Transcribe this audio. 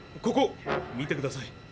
ここ見てください。